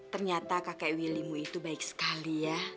ternyata kakek willymu itu baik sekali ya